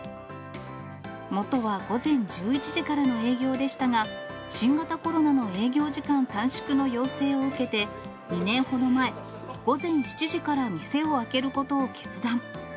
もとは午前１１時からの営業でしたが、新型コロナの営業時間短縮の要請を受けて、２年ほど前、午前７時から店を開けることを決断。